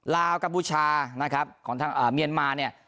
ลาวกัมพูชานะครับของทางเมียนมาเนี่ย